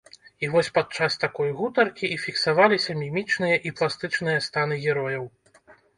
І вось падчас такой гутаркі і фіксаваліся мімічныя і пластычныя станы герояў.